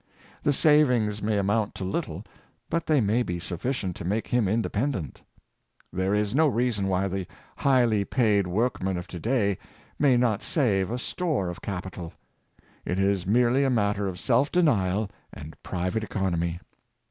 The savings may amount to little, but they may be sufficient to make him independent. There is no reason why the highly paid workman of to day may not save a store of capital. It is merely a matter of self denial and private economy.